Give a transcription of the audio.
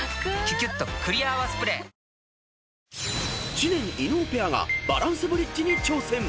［知念・伊野尾ペアがバランスブリッジに挑戦］